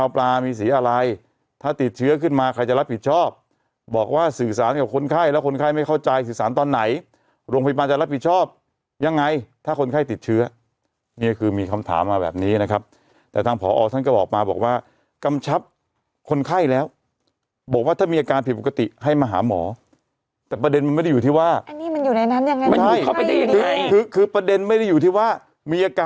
เพราะว่ามันเนี่ยจะมีทนัยความชื่อทนัยเก่ง